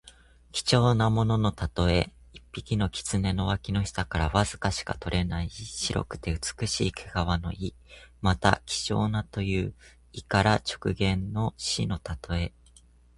貴重なもののたとえ。一匹の狐の脇の下からわずかしか取れない白くて美しい毛皮の意。また、希少なという意から直言の士のたとえ。